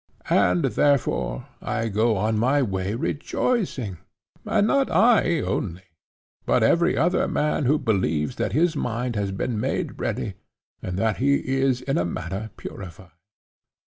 And therefore I go on my way rejoicing, and not I only, but every other man who believes that his mind has been made ready and that he is in a manner purified.